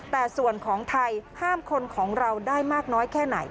แต่ส่วนของไทยห้ามคนของเราได้มากน้อยแค่ไหน